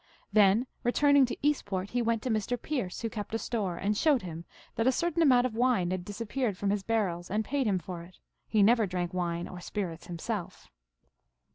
Then, returning to Eastport, he went to Mr. Pearce, who kept a store, and showed him that a certain amount of wine had disappeared from his bar rels, and paid him for it. He never drank wine or spirits himself.